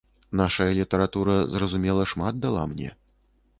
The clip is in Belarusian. Нашая літаратура, зразумела, шмат дала мне.